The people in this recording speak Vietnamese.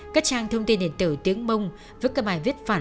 các trang thông tin điện tử tiếng mông với các bài viết phản ánh